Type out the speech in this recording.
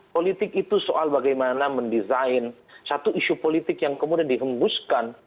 politik itu soal bagaimana mendesain satu isu politik yang kemudian dihembuskan